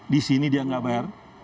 di sini dia nggak bayar